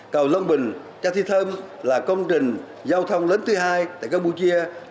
cầu long bình chere tom là công trình giao thông lớn thứ hai tại campuchia